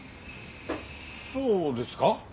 そうですか？